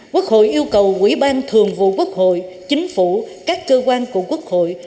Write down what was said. quốc hội yêu cầu quỹ ban thường vụ quốc hội chính phủ các cơ quan của quốc hội